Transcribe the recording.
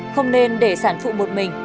không nên để sản phụ một mình